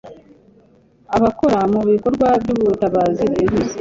Abakora mu bikorwa by'ubutabazi bwihuse